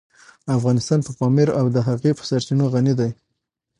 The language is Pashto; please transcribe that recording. افغانستان په پامیر او د هغې په سرچینو غني دی.